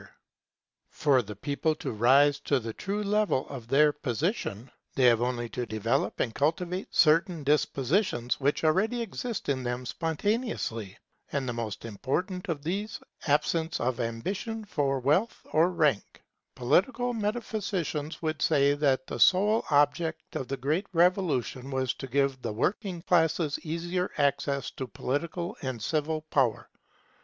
[Ambition of power and wealth must be abandoned] For the people to rise to the true level of their position, they have only to develop and cultivate certain dispositions which already exist in them spontaneously. And the most important of these is, absence of ambition for wealth or rank. Political metaphysicians would say that the sole object of the Great Revolution was to give the working classes easier access to political and civil power.